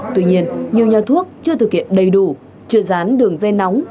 tuy nhiên nhiều nhà thuốc chưa thực hiện đầy đủ chưa dán đường dây nóng